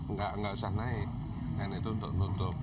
nggak usah naik kan itu untuk nutup